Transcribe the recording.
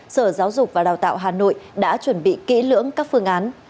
sở giáo dục và đào tạo hà nội đã chuẩn bị kỹ lưỡng các phương án